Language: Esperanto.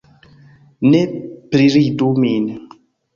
Ne priridu min